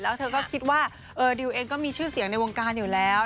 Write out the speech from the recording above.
แล้วเธอก็คิดว่าดิวเองก็มีชื่อเสียงในวงการอยู่แล้ว